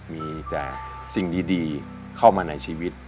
มีแต่สิ่งดีเข้ามาในชีวิต